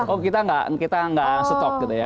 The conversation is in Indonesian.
oh kita nggak stock gitu ya